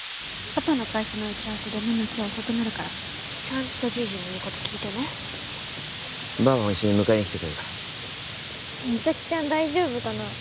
パパの会社の打ち合わせでママ今日遅くなるからちゃんとじいじの言うこと聞いてねばあばも一緒に迎えに来てくれるから実咲ちゃん大丈夫かな？